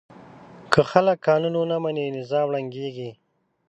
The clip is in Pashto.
که خلک قانون ونه مني، نظام ړنګېږي.